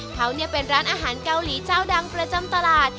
เขาเป็นร้านอาหารเกาหลีเจ้าดังประจำตลาด